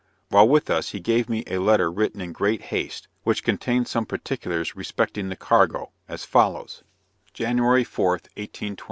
While with us he gave me a letter written in great haste, which contains some particulars respecting the cargo; as follows: January 4th, 1822.